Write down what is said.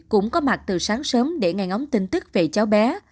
cũng có mặt từ sáng sớm để ngay ngóng tin tức về cháu bé